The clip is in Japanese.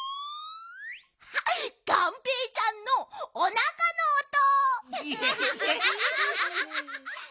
がんぺーちゃんのおなかのおと！